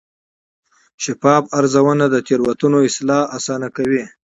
شفاف ارزونه د تېروتنو اصلاح اسانه کوي.